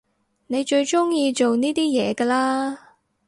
你最中意做呢啲嘢㗎啦？